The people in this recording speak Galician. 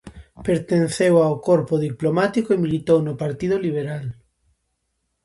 Pertenceu ao corpo diplomático e militou no Partido Liberal.